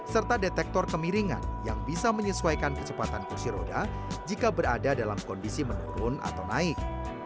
serta detektor kemiringan yang bisa menyesuaikan kecepatan kursi roda jika berada dalam kondisi menurun atau naik